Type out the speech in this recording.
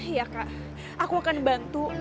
iya kak aku akan bantu